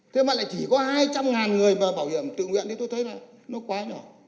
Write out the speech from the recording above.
thế mà lại chỉ có hai trăm linh người mà bảo hiểm tự nguyện thì tôi thấy là nó quá nhỏ